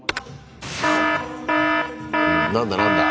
何だ何だ？